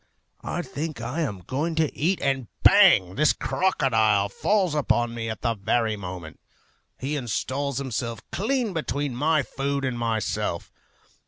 I think I am going to eat, and bang! this crocodile falls upon me at the very moment. He installs himself clean between my food and myself.